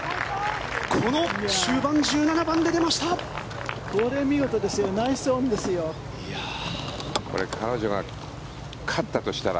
この終盤、１７番で出ました。